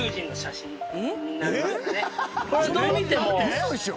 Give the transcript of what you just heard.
ウソでしょ？